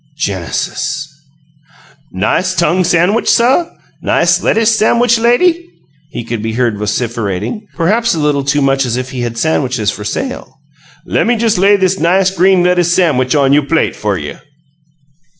Genesis! "Nice tongue samwich, suh? Nice lettuce samwich, lady?" he could be heard vociferating perhaps a little too much as if he had sandwiches for sale. "Lemme jes' lay this nice green lettuce samwich on you' plate fer you."